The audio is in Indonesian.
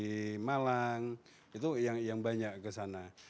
di malang itu yang banyak ke sana